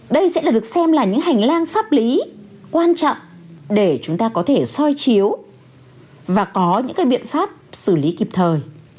đây sẽ được xem là những hành lang pháp lý quan trọng để chúng ta có thể soi chiếu và có những cái biện pháp xử lý kịp thời